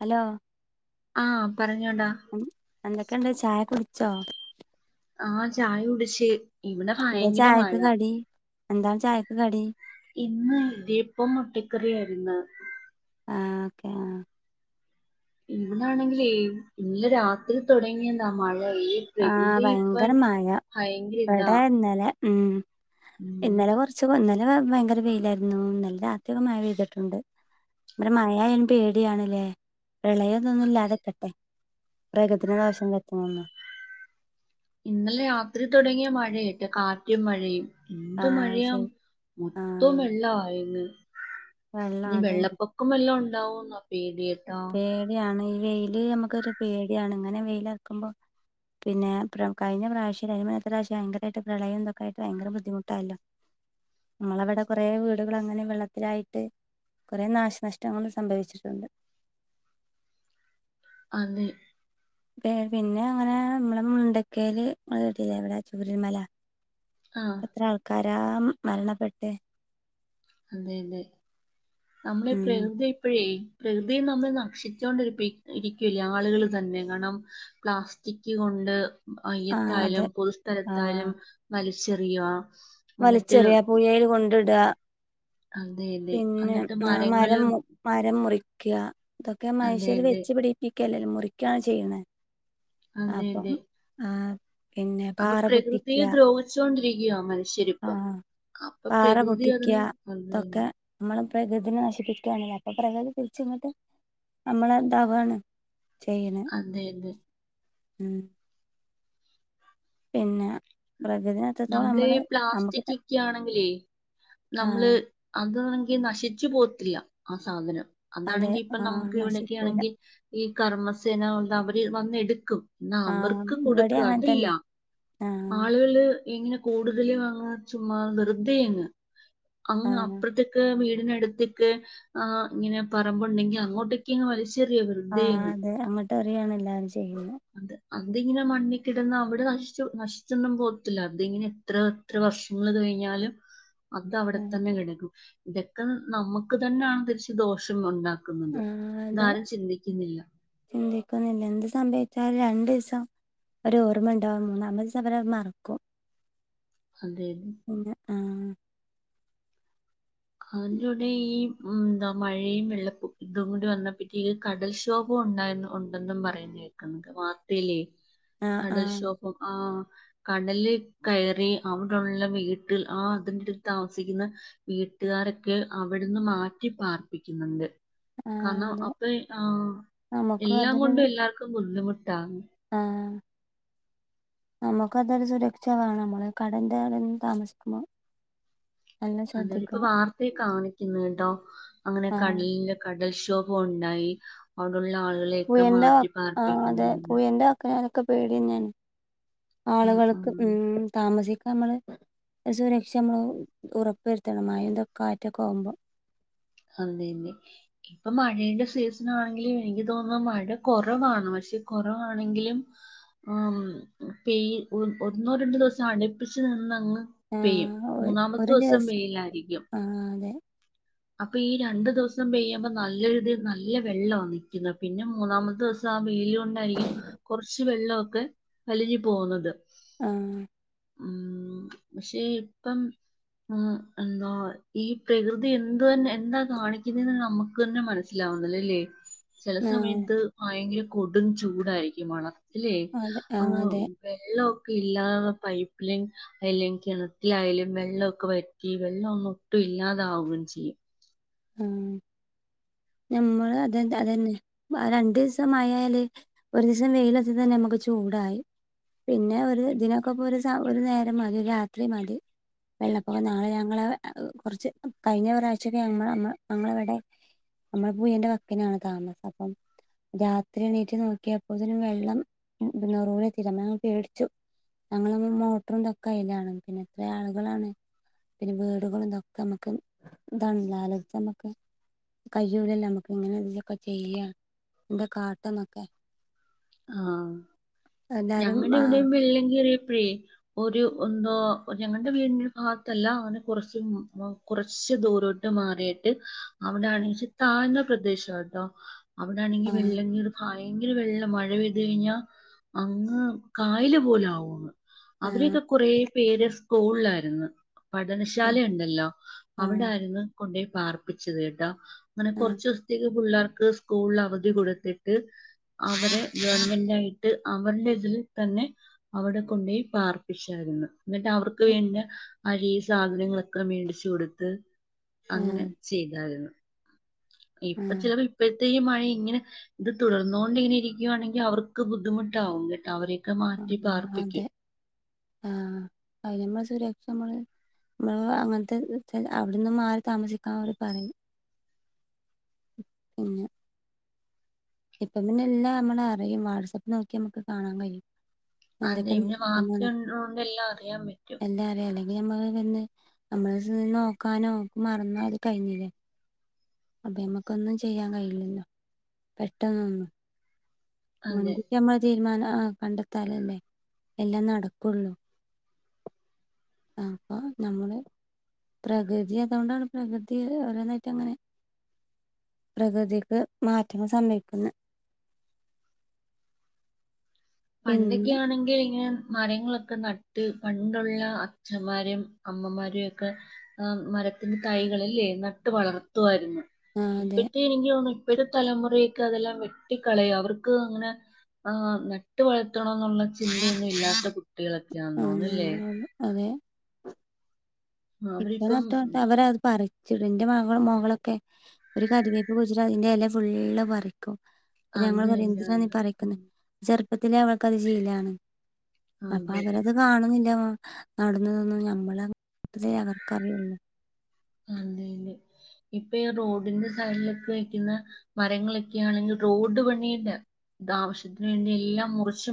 Hello ആ പറഞ്ഞോടാ ച്ചാ ആ ചായ കുടിച്ച് ഇവിടെ എന്താ ഭയങ്കര ചായക്ക് മഴ കടി എന്താണ് ചായക്ക് കടി ഇന്ന് ഇടിയപ്പം മുട്ടക്കറിയായിരുന്ന് ആ ഓക്കെ ആ ഇന്നാണെങ്കില് ഇന്നലെ രാത്രി തുടങ്ങിയതാ മഴ ഈ ആ പ്രകൃതി ഭയങ്കര ഇപ്പം മഴ ഭയങ്കര ഇതാ ഇവടെ ഇന്നലെ ഉം ഉം ഇന്നലെ കൊറച്ച് വന്നല് ഭയങ്കര വെയിലായിരുന്നു ഇന്നലെ രാത്രി ഒകെ മഴ പെയ്തിട്ടുണ്ട് വടെ മഴയായാല് പേടിയാണ്ല്ലേ പ്രളയതൊന്നും അതെ ഇല്ലാതെക്കട്ടെ പ്പക്യതിനെ ദോശം വരുത്തുന്ന ഒന്നും ഇന്നലെ രാത്രി തുടങ്ങിയ മഴയാട്ട് കാറ്റും മഴയും ആ എന്ത് മഴയാ ശരി ആ മൊത്തവും വെള്ളാ ഇന്ന് വെള്ളം ഇനി അതന്നെ വെള്ളപ്പൊക്കം വല്യോം ഉ ണ്ടാവോന്ന പേടി കേട്ടോ പേടിയാണ് വെയില് നമുക്കൊരു പേടിയാണ് ഇങ്ങനെ വെയില് അറക്കുമ്പോൾ പിന്നെ കഴിഞ്ഞ പ്രാവശ്യം അതിൻ്റേ മുന്നത്തേ പ്രാവശ്യം ഭയങ്കരായിട്ട് പ്രളയം തക്കായിട്ട് ഭയങ്കര ബുദ്ധിമുട്ടായല്ലോ ഞങ്ങളെ ഇവിടെ കുറേ വീടുകൾ അങ്ങനെ വെള്ളത്തിലായിട്ട് കുറേ നാശനഷ്ടങ്ങൾ സംഭവിച്ചിട്ടുണ്ട് അന്ന് പിന്നെ അങ്ങനെ നമ്മളെ മുണ്ടക്കേല് ഇങ്ങള് കേട്ടിലെ ചുരൽമല. ആഹ് ഇപ്പത്ര ആൾക്കാർ രാം മരണപ്പെട്ട് അതെ അതെ നമ്മളെ ഉം പ്രകൃതി ഇപ്പഴേ പ്രകൃതി നമ്മൾ നക്ഷിച്ചുകൊണ്ടി ഇരിക്കില്ല ആളുകൾ തന്നെ കാരണം പ്ലാസ്റ്റിക്ക് കൊണ്ട് ആ അതെ അയ്യത്തായാലും ആ പൊതുസ്ഥലത്തായാലും മലി ഷെറിയോ വലിച്ചെറിയ പുഴയിൽ കൊണ് എടാ അതെ അതെ പിന്നെ എന്നിട്ട് ന മരങ്ങള് മരം മരം മുറി ക്യാ ഇതൊക്കെ അതെ മനുഷ്യര് അതെ വെച്ച് പിടിപ്പി ക്കല്ല മുറിക്കാണ് ചെയ്യണെ. അതെ അപ്പം അതെ ആ പിന്നെ അപ്പൊ പാറ പൊട്ടിക്കുക പ്രകൃതിയെ ദ്രോഹിച്ചൊണ്ടിരിക്കയാ നമ്മള് ശരിപ്പം ആ അപ്പൊ പാറ പ്രകൃതി പൊട്ടിക്ക അതിന് ഇതൊക്കെ വന്നതെന്നെ നമ്മളെ പ്രകൃതിനെ നശിപ്പിക്കാണ് അപ്പൊ പ്രകൃതി തിരിച്ച് ഇങ്ങോട്ടും നമ്മളെ താവാണ് അതെ യതെ ഹും പിന്നെ പ്രകൃതിനെ എത്രത്തോളം നമ്മള് നമുക്ക് പ്ലാസ്റ്റിക്ക്‌ക്കാണെങ്കിലേ നമ്മള് ആഹ് അത് ക്ക്‌ നശിച്ചു പോവത്തില്ല ആ സാധനം അതെ അതാണെങ്കി ഇപ്പം ആഹ് നമുക്ക് ഇവിടെയൊക്കെ നശിക്കൂല ആണെങ്കിൽ ഈ കർമ്മസേന ഉണ്ട് അവര് വന്നെടുക്കും എന്നാ ആഹ് അവർക്ക് ഇവിടെ കൊടുക്കാ അങ്ങനെ അതില്ല തന്നെ ആഹ് ആളുകള് തിന് കൂടുതല് അങ്ങ് ചുമ്മാ വെറുതെ അങ്ങ് അങ്ങ് ആഹ് അപ്പുറത്ക്ക് വീട്ട് ഇതിനട്ത്ത്ക്ക് ആഹ് ഇങ്ങനെ പറമ്പുണ്ടെങ്കി അങ്ങോട്ടെക്ക്ങ്ങ് വലിച് ച്ചെറിയ വെറുതെയങ്ങ് ട്ടെറിയാണല്ലാ [unintelligible] ചെയ്യുന്ന അതിങ്ങനെ മണ്ണിക്കിടന്ന് അവിടെ നശിച്ചു നശിച്ചൊന്നും പോവത്തില്ല അതിങ്ങനെ എത്ര എത്ര വർഷങ്ങൾ കഴിഞ്ഞാലും അത് അവടെ ആഹ് തന്നെ കെടക്കും. ഇതക്കെ നമുക്ക് തന്നാണ് തിരിച്ച് ദോഷം ഉണ്ടാ ആഹ് അതേ ചിന്തിക്കുന്നില്ല എന്ത് സംഭവിച്ച ലും രണ്ടീസം ഒരു ഓർമ്മ ഇണ്ടാവും മൂന്നാമതീസം ഇവരത് മറക്കും. അതെ പിന്നെ ആഹ് അതിന്റെൂടെ ഈ ഉം ന്താ മഴയും വെള്ളപ്പും ഇതും കൂടി വന്നപ്പക്ക് ഈ കടൽക്ഷോഭം ഉണ്ടായന്ന് ഉണ്ടെന്നും പറയുന്നേക്കിണ്ട് വാർത്തയിലേ ആഹ് ആഹ് കടൽക്ഷോഭം ആഹ് കടലിൽ കയറി അവിടെള്ള വീട്ടിൽ ആ അതിന്റെടുത്ത് താമസിക്കുന്ന വീ വീട്ടുകാരൊക്കെ അവിടുന്ന് മാറ്റി പാർപ്പിക്കുന്നുണ്ട് ആഹ് കാരണം അതെ അപ്പൊ ആഹ് നമുക്കും എല്ലാം കൊണ്ടും അതിനൊരു എല്ലാർക്കും ബുദ്ധിമു ആഹ് നമുക്കതൊരു സുരക്ഷ വേണം നമ്മള് കടല്ന്റെടെ ന്ന് താമസിക്കുമ്പോ നല്ല അതെലി പ്പൊ ശ്രദ്ധിക്കണം വാർത്തെ കാണിക്കുന്ന്ട്ടൊ അങ്ങനെ ആഹ് കട്ലി [inaudible] ൽക്ഷോഭം ഉണ്ടായി ള്ള ആളുകളെയൊക്കെ പുയന്റെ മാറ്റി പാർപ്പിക്കുന്നു ഒക്കെ പേടി തന്നേന് ആ ആളുകൾക്ക് ഉം താമസി നമ്മള് സുരക്ഷ മ്മള് ഉറ ഉറപ്പ് വരുത്തണം മയന്തൊെ കാറ്റൊക്കെ ആകുമ്പോ അതെന്നെ ഇപ്പൊ മഴെന്റെ സീസണാണെങ്കിലും എനിക്ക് തോന്നുന്നു മഴ കൊറവാണ് പക്ഷെ കൊറവാണെങ്കിലും അം പെയ് ഒന്നോ രണ്ടോ ദിവസം അടുപ്പിച്ച് നിന്നങ് പെ പെയും ആഹ് ഒ മൂന്നാമത്തെ ഒരു ദിവസം വെയിലായിരിക്കും ആഹ് അതെ അപ്പൊ ഈ രണ്ടു ദിവസം പെയ്യുമ്പോ നല്ല രീതിയിൽ നല്ല വെള്ളവാ നിക്കുന്നത് പിന്നെ മൂന്നാമത്തെ ദിവസം ആ വെയില് കൊണ്ടായിരിക്കും കുറച്ച് വെള്ളൊക്കെ വലിഞ്ഞു പോകുന്നത് ആ ഉ പക്ഷെ ഇപ്പം ഈ പ്രകൃതി എന്ത എന്ത് തന്നെ എന്താ കാണിക്കുന്നെന്ന് നമുക്ക് തന്നെ മനസ്സിലാവുന്നില്ലല്ലേ ചെല ആഹ് സമയത്ത് ഭയങ്കര കൊടും ചൂടായിരിക്കും വള അല്ലേ അതെ ആ ആഹ് അതെ വെള്ളോ പില്ലാ പൈപ്പ്‌ലൈൻ അല്ലെങ്കിണറ്റിലായാലും വെള്ളോക്കെ വറ്റി വെള്ളൊന്നും ഒട്ടും ഇല്ലാതാവും മനസ് [inaudible] ആഹ നമ്മള് അത് അത് അതന്നെ രണ്ടീസം മയ ആയാൽ ഒരു ദിവസം വെയിലത്തിതന്നെ നമ്മുക്ക് ചൂടായി പിന്നെ ഒരു ദിനക്കൊപ്പോ ഒരു സ ഒരു നേരം മതി രാത്രി മതി വെള്ളപ്പൊക്കം നാളെ ഞങ്ങള് കുറച്ച് കഴിഞ്ഞ പ്രാവശ്യൊക്കെ ഞങ്ങൾ ഞങ്ങള ഇവിടെ നമ്മൾ പുയന്റെ വക്കിനാണ് താമസം അപ്പം രാത്രി എണീറ്റ് നോക്കിയപ്പോത്തിന് വെള്ളം പിന്നെ നെറൂലെത്തി ഞങ്ങൾ പേടിച്ചു ഞങ്ങൾമ്മ മോട്ടറും തൊക്കെ അയിൽ ആണ് പിന്നെ എത്ര ആളുകളാണ് പിന്നെ വീടുകളുംന്തൊക്കെ നമ്മുക്ക് ഇതാണല്ല ആലോചിച്ച നമ്മുക്ക് കയൂലല്ലേ നമുക്ക് ഇങ്ങനെ ഇതിനൊക്കെ ചെയ്യ എന്താ കാട്ടന്നൊക്കെ ആഹ എല്ലാരും ഞങ്ങളുടെ ആ ഇവിടെ വെള്ളം കറിയപ്പഴേ ഒരു ഒ എന്തോ ഞങ്ങളുടെ വീടിന്റെ ഭാഗത്തല്ല അങ്ങനെ കുറച്ച് കുറച്ച് ദൂരോട്ട് മാറിട്ട് അവിടെണച്ചി താഴ്ന്ന പ്രദേശാ കേട്ടോ ആ അവിടൊണെങ്കിൽ വെള്ളകേറി പ ഭയങ്കര വെള്ളമാ മഴ പെയ്ത് കഴിഞ്ഞാ അങ്ങ് കായല് പോലാവുമങ്ങ് ആ അവരൊക്കെ കുറെ പേര് സ്കൂളിലാരുന്ന് പഠനശാല ശരി ഇണ്ടല്ലോ ആ അവിടായിരുന്ന് കൊണ്ടോയി പാർപ്പിച്ചത് കേട്ടോ അങ്ങനെ ആ കുറച്ചുദിവസത്തേക്ക് പിള്ളേർ ക്ക് സ്കൂളിൽ അവധി കൊടുത്തിട്ട് അവരെ ഗവൺമെന്റ് ആയിട്ട് അവരുടെ ഇതില് തന്നെ അവിടെ കൊണ്ടോയി പാർപ്പിച്ചായിരുന്ന് എന്നിട്ട് അവർക്ക് പിന്നെ അരി സാധനങ്ങളൊക്കെ മേടിച്ച് കൊടുത്ത് ആ അങ്ങനെ ചെയ്താരുന്ന് ഇപ്പൊ ആ ചിലപ്പോ ഇപ്പ ത്തേ മഴ ഇങ്ങനെ ഇത് തുടർന്നോണ്ടിങ്ങനെ ഇരിക്കുവാണെങ്കിൽ അവർക്ക് ബുദ്ധിമുട്ടാവും കേട്ടോ അവര് [unintelligible] മാറ്റി ആഹ് അതെ പാർപ്പിക്കും ആഹ് അതിനമ്മള സുരക്ഷ നമ്മള് നമ്മ അങ്ങനത്തെ അവിടെന്നും മാറി താമസിക്കാ അവര് പറയും പിന്നെ ഇപ്പം പിന്നെ എല്ലാം നമ്മള് അറിയും വാട്സ്ആപ്പ് നോക്കിയ നമുക്ക് കാണാൻ കഴിയും അതെ എന്തൊക്കെ [unintelligible] വാർത്ത നടക്കുന്നുന്ന് [unintelligible] എല്ലാ അറിയാൻ പറ്റും. [unintelligible] തന്നെ നമ്മള് ചെന്ന് നോക്കാനോ മറന്ന അത് കഴിഞ്ഞില്ലേ. അപ്പൊ ഞമ്മക്കൊന്നും ചെയ്യാൻ കഴിയൂല്ലല്ലോ പെട്ടന്നൊന്നും അതെ മുൻകുട്ടിമ്മള തീരുമാന ആഹ് കണ്ടെത്താലല്ലേ എല്ലാം നടക്കുള്ളൂ അപ്പ നമ്മള് പ്രകൃതി അതുകൊണ്ടാണ് പ്രകൃതി ഓരോന്നായിട്ട അങ്ങനെ പ്രകൃതിക്ക് മാറ്റങ്ങൾ സംഭവിക്കുന്നേ പണ്ടൊക്കെ ഇന്ന് ആണെങ്കിൽ ഇങ്ങനെ മരങ്ങളൊക്കെ നട്ട് പണ്ടുള്ള അച്ഛന്മാരെയും അമ്മമാരെയും ഒക്കെ മരത്തിന്റെ തൈകളല്ലേ നട്ട് വളർത്തുവാരുന്ന് ആഹ് അതെ ഇപ്പഴ്ത്തെ എനിക്ക് തോന്ന് ഇപ്പഴ്ത്തെ തലമുറേക്ക് അതെല്ലാം വെട്ടിക്കളയുവാ അവർക്ക് അങ്ങനെ ആ നട്ട് വളർത്തനോന്നുള്ള ചിന്തയൊന്നും ഇല്ലാത്ത കു [unintelligible] അതെ ഇപ്പ അവരിപ്പം നട്ട് വളത്തിയ അവര് അത് പറയ് ചെടിന്റെ മകളും മകളൊക്കെ ഒരു കറിവയ്പ് കൊഴിച്ചിട്ട് അതിന്റെ ഇല ഫുള്ള് പറി പോ അത് ഞങ്ങള് പറയും തന്നെ എന്തിനാ നീ ഉം, പറിക്കുന്നേ ചെറ് ഇപ്പത്തിലേ അവൾക്കത് ശീലാണ്. അപ്പൊ അതെ അവരത് കാണുന്നില്ല മ ഇതേ അവർക്ക്‌ അറിയൊള്ളു അതെ ലെ ഇപ്പയാ റോഡിന്റെ സൈഡിലൊക്കെ മുറിച്ച്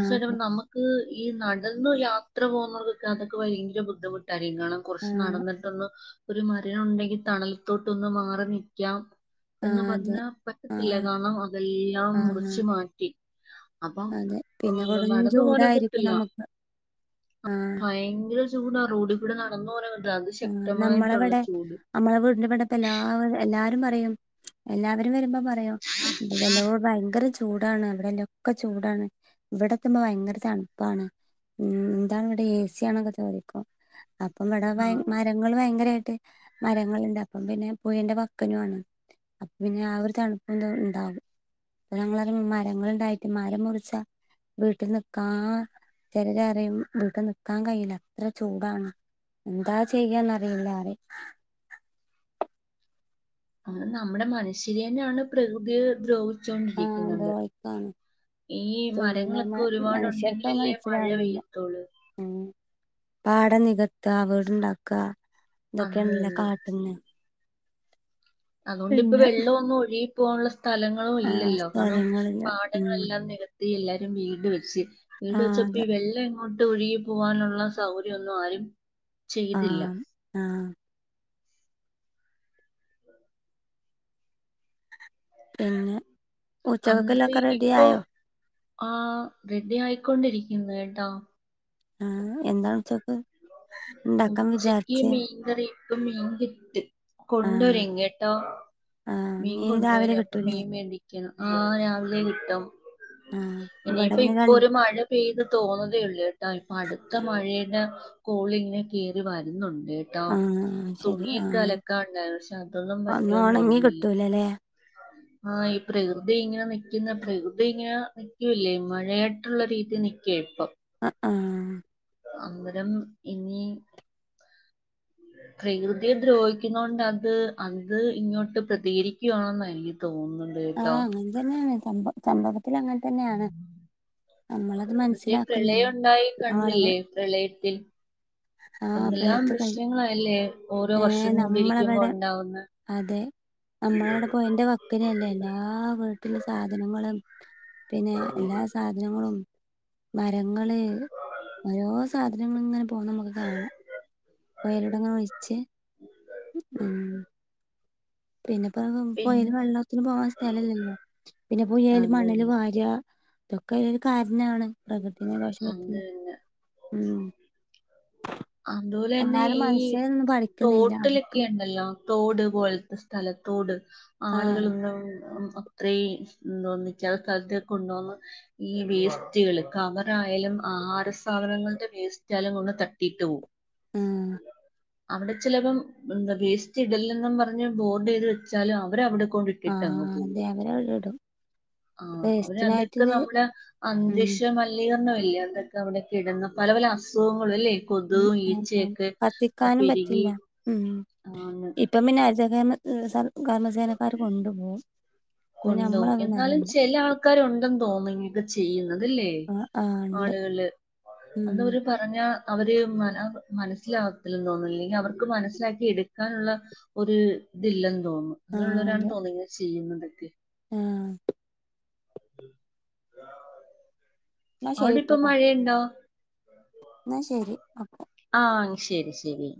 ആഹ് അതെ നമ്മക്ക് ഈ നട് എന്നും യാത്ര പോവ്ന്നത് ഞങ്ങക്ക് ഭയങ്കര ബുദ്ധിമു കാര്യങ്ങളും കൊർച്ച് ആഹ് നടന്ന് ഒരു മരം ഉണ്ടെങ്കി തണൽത്തോട്ട് ഒന്ന് മാറി നിക്കാം എന്ന് ആഹ് അതെ പർഞ്ഞാ പറ്റത്തില്ല ആഹ് കാരണം അതെല്ലാം ആഹ് മുറിച്ച് മാറ്റി അപ്പം അതെ പിന്നെ കൊടും നടന്ന് ചൂടായിരിക്കും പോവാനൊക്കത്തില്ല നമുക്ക് ആഹ് ഭയങ്കര ചൂടാ റോഡി ഇവ്ടെ നടന്ന് പോരാൻ പറ്റ്ലാ അത് ശീ ആ നമ്മളെ ഇവടെ നമ്മളെ വീടിന്റെ ഇവടത്തെ എല്ലാവ എല്ലാ രും പറയും എല്ലാവരും വെരുമ്പം പറയോ അപ്പ പിന്നെ ഇപ്പ ഭയങ്കര ചൂ ചൂടാണ് ഇവടെ ഇല്ലെ ഒക്കെ ചൂടാണ് ഇവടെ എത്തുമ്പോ ഭയങ്കര തണ്പ്പാണ് ഉം എന്താണ് ഇവടെ എ സി ആണൊക്കെ ചോദിക്കും അപ്പം ഇബടെ ആ, ഭയ ഇങ്ങൾ ഭയങ്കരായിട്ട് മരങ്ങൾ ഇണ്ടാക്കും പിന്നെ പുഴന്റെ വക്കിനും ആണ് അപ്പ പിന്നെ ആ ഒരു തണ്പ്പും ഇതും ഇണ്ടാകും അപ്പ ഞങ്ങൾ പറിം മരങ്ങൾ ഇണ്ടായിറ്റ് മരം മുറിച്ചാ വീട്ട് നിക്കാ ചെൽര് പറിം വീട്ട് നിക്കാ കയ്യ് ഇല്ല അത്ര ചൂടാണ് എന്താ ചെയ്യാന്ന് അറിയില്ല അറിം അയ് നമ്മ്ടെ മൻ ച്ചൊണ്ട് ആഹ് ഇരിക്കിന്നത് ദ്രോഹിക്കാണ് ഈ ചെയ്യുന്ന മരങ്ങളൊക്കെ മ- ഒരുപാട് മനുഷ്യർക്ക് ഉണ്ടങ്കിൽ അത് അല്ലെ മഴ പെയ്യത്തൊള്ള് പാട നികത്ത വിടുണ്ടാക്ക അത് ഇതൊക്കെയണല്ലേ കാട്ടന്ന് അതുകൊണ്ടിപ്പ വെള്ളം ഒന്നും ഒഴി പോവാനുളള സ്ഥലങ്ങളോ ആഹ് ഇല്ലല്ലോ കാരണം സ്ഥലങ്ങളില് ഉം പാടങ്ങളെല്ലാം നിക എല്ലാരും വീട് വെച്ച് വീട് ആഹ് വെച്ചപ്പോ അതെ വെള്ളങ്ങോട്ട് ഒഴുകി പോകാനുള്ള സൗകര്യം ഒന്നും ആരും ങാ ചെയ്തില്ല. ങാ പിന്നെ ഉച്ചക്ക്ള്ളത് അന്നിട്ട് ഒക്കെ റഡി ഇപ്പൊ ആയോ ആ റെഡി ആയിക്കൊണ്ടിരിക്കുന്നു കേട്ടോ ആ എന്താണ് ഉച്ചക്ക് ഇണ്ടാക്കാൻ ഉച്ചക്ക് വിചാരിച്ചേ മീൻ കറി ക്ക മീൻ കിട്ടി ആഹ് കൊണ്ടുവരുംങ്ങ് കേട്ടോ ആഹ് മീൻ കൊണ്ട് രാവിലെ വരും അപ്പൊ കിട്ടൂലേ മീൻ വേടിക്കും ആ രാവിലെ കിട്ടും ആഹ് ഇവിടെ ഇനിയിപ്പ പിന്നെ ഇപ്പൊ രണ്ട് ഒരു മഴ പെയ്ത് തോന്നതേള്ളൂ ട്ടാ ഇപ്പൊ അടുത്ത മഴേട കോളിങ്ങിനെ കയറി വരുന്നുണ്ട് ട്ടാ ആഹ് ശരി തുണിയൊക്കെ ആഹ് അലക്കാ ഉണ്ടായിരുന്നു പക്ഷെ അതൊന്നും ഒന്നും പറ്റ്വോന്ന് ഒണങ്ങി തോന്നുന്നില്ല കിട്ടൂലല്ലേ ങാ ഈ പ്രകൃതി ഇങ്ങനെ നിക്കുന്ന പ്രകൃതി ഇങ്ങനെ നിക്കൂല്ലേ മഴയായിട്ടുള്ള രീതി നിക്കാ ഇപ്പൊ ആ അമ്പരം ഇനി പ്രകൃതിയെ ദ്രോഹിക്കുന്ന കൊണ്ട് അത് അത് ഇങ്ങോട്ട് പ്രതികരിക്കുയാണന്നാ എനിക്ക് തോന്നുന്നത് ങാ കേട്ടോ അങ്ങനെത്തന്നെ ആണ് ചമ്പ ചമ്പക നമ്മളത് മറ്റേ പ്രളയം മനസ്സിലാക്കുന്നില്ല ഒണ്ടായി ആളുകൾ കണ്ടില്ലേ പ്രളയത്തിൽ ആഹ് എന്തെല്ലാം പ്രളയത്ത് കഴി പ്രശ്നങ്ങളല്ലേ ഓരോ ഏഹ് വർഷം കൂടി ഇരിക്കുമ്പോ ഉണ്ടാവുന്ന നമ്മള അവിടെ പോയേന്റെ വക്കിന അല്ലേ ആ പിന്നെ എല്ലാ സാധനങ്ങളും മരങ്ങള് ഓരോ സാധനങ്ങളിങ്ങനെ പോകുന്ന നമുക്ക് കാണാം വേരിടങ്ങ ഒഴിച്ച് ഉം പിന്നെ പുയല് പിന്നെ വെള്ളത്തിന് പോകാൻ സ്ഥലല്ലല്ലോ പിന്നെ പുയല് അത് മണല് തന്നെ വാര്ക അതൊക്കെ ഒരു കാരണാണ് പ്രകൃതിയെ അത് ദോഷംവരുത്തുന്ന തന്നെ ഉം അതുപോലെ തന്നെ എന്നാലും ഈ മനുഷ്യനൊന്നും പഠിക്കുന്നില്ല തോട്ടിലൊക്കെ അവർക്ക് ഉണ്ടല്ലോ തോട് പോലത്തെ സ്ഥലത്തോട് ആളുകൾ ആഹ് [unintelligible] അത്രേ [unintelligible] കൊണ്ടോന്ന് ഈ വേസ് റ്റുകൾ. കവർ ആയാലും ആഹാര സാധനങ്ങളുടെ വേസ്റ്റ് ആയാലും കൊണ്ട് തട്ടീട്ട് പോവും. ആഹ് അവിടെ ചിലപ്പം വേസ്റ്റ് ഇടല്ലെന്നും പറഞ്ഞ് ബോർഡ് എഴ്തി വെച്ചാലും അവരവിടെ ആഹ് കൊണ്ടിട്ടിട്ടങ്ങ് പോവും അതെ അവരവിടെ ഇടും ആഹ് അവരതൊക്കെ വേസ്റ്റിനായിട്ടിത് നമ്മള് അ [unintelligible] [unintelligible] ഉം ക്കെ അവിടൊക്കെ ഇടുന്ന പല പല അസുഖങ്ങളും അല്ലേ ഉം കൊതും ഉം ഉം ഈച്ചയൊക്കെ കത്തിക്കാനും പെരുകി പറ്റില്ല ഉം ആന്ന് [unintelligible] കൊണ്ടുപോകും പിന്നെ കൊണ്ടോവും നമ്മളതൊന്നും എന്നാലും അറിയണ്ട ചെല ആൾക്കാരുണ്ടെന്ന് തോന്നന്ന് ഇങ് ക്ക ചെയ്യുന്നത് തല്ലേ ആ ആ ഉണ്ട് ആളുകള് ഉം അന്ന് അവര് പറഞ്ഞ അവര് മന മനസ്സിലാകത്തില്ലെന്ന് തോന്നുന്ന് ഇല്ലെങ്കിൽ അവർ ക്ക്‌ മനസിലാക്കി എടു കാനുള്ള ഒരു ഇതില്ലെന്ന് തോന്നും ആ അങ്ങനെയുള്ളവരാണ് തോന്ന്ണ് ഇങ്ങന ചെയ്യുന്നത്. [unintelligible] ആഹ്. [inaudible] അവിടെ ഇപ്പ മഴയുണ്ടോ? ന്നാ ശരി അപ്പോ. ആഹ് ശരി ശരി.